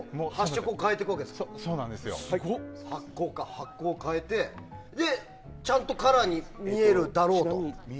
発光を変えてで、ちゃんとカラーに見えるだろうと。